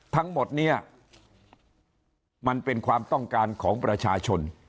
ทั้งหมดนี้มันเป็นความต้องการของประชาชน